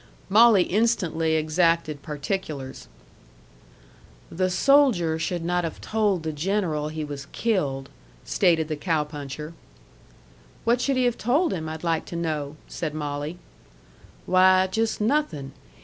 Molly instantly exacted particulars. "The soldier should not have told the general he was killed," stated the cow puncher. "What should he have told him, I'd like to know?" said Molly. "Why, just nothing.